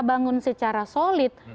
bangun secara solid